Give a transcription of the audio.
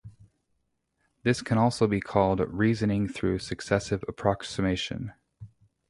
This can also be called reasoning through successive approximation.